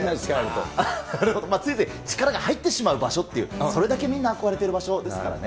ついつい力が入ってしまう場所っていう、それだけみんな憧れてる場所ですからね。